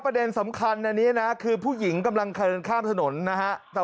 ประเด็นสำคัญอันนี้นะคือผู้หญิงกำลังเดินข้ามถนนนะฮะ